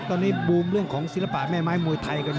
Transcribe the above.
ตอนนี้บูมเรื่องของศิลปะแม่ไม้มวยไทยกัน